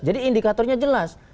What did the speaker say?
jadi indikatornya jelas